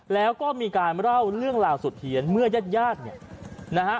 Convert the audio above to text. แล้วก็มีการเล่าเรื่องราวสุดเทียนเมื่อญาติญาติเนี่ยนะฮะ